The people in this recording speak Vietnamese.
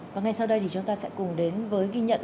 và ngay sau đây thì chúng ta sẽ cùng đến với ghi nhận